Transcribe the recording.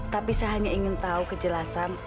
tapi saya hanya ingin tahu kejelasan